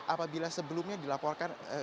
apabila sebelumnya dilaporkan